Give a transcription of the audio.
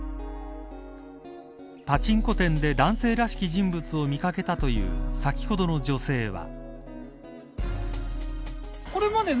パチンコ店で男性らしき人物を見かけたという先ほどの女性は。